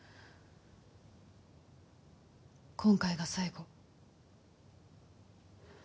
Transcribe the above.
今回が最後。